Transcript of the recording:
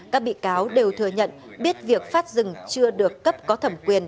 các bị cáo đều thừa nhận biết việc phát rừng chưa được cấp có thẩm quyền